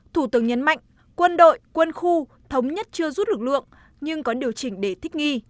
thủ tướng nhấn mạnh quân đội quân khu thống nhất chưa rút lực lượng nhưng có điều chỉnh để thích nghi